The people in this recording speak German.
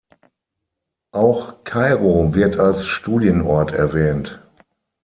Auch Kairo wird als Studienort erwähnt.